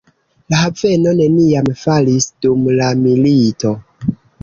La haveno neniam falis dum la milito.